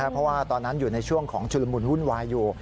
เพราะว่าตอนนั้นอยู่ในช่วงของชุลมุนวุ่นวายอยู่